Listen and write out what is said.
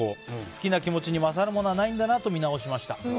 好きな気持ちに勝るものはないんだなと見直しました。